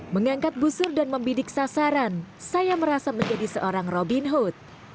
mengangkat busur dan membidik sasaran saya merasa menjadi seorang robin hood